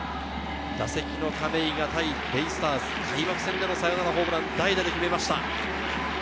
打席の亀井が対ベイスターズ、開幕戦でのサヨナラホームラン、代打で決めました。